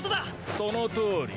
そのとおり。